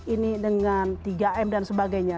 ini dengan tiga m dan sebagainya